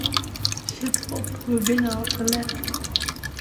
Sjit op, wy binne al te let!